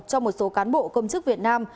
cho một số cán bộ công chức việt nam